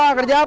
wah kerja apa